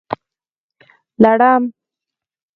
🦂 لړم